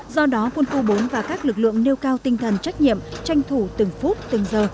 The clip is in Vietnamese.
do đó quân khu bốn và các lực lượng nêu cao tinh thần trách nhiệm tranh thủ từng phút từng giờ